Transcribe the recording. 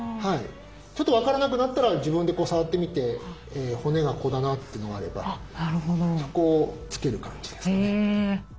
ちょっと分からなくなったら自分で触ってみて骨がここだなっていうのがあればそこをつける感じですかね。